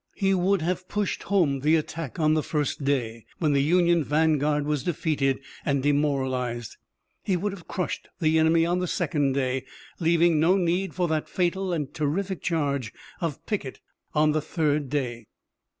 He would have pushed home the attack on the first day, when the Union vanguard was defeated and demoralized. He would have crushed the enemy on the second day, leaving no need for that fatal and terrific charge of Pickett on the third day.